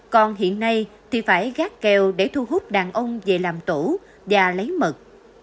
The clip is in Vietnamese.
còn hiện nay thì phải gác kèo để thu hút đàn ông về làm tổ và lấy mật